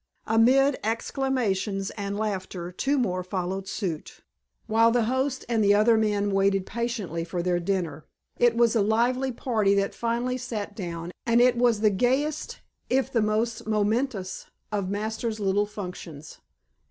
Amid exclamations and laughter two more followed suit, while the host and the other men waited patiently for their dinner. It was a lively party that finally sat down, and it was the gayest if the most momentous of Masters' little functions.